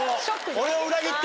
俺を裏切って。